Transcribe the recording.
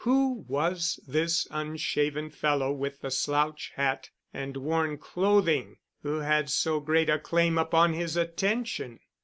Who was this unshaven fellow with the slouch hat and worn clothing who had so great a claim upon his attention?